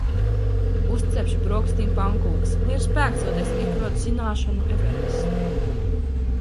Uzcepšu brokastīm pankūkas, lai ir spēks doties iekarot zināšanu Everestu.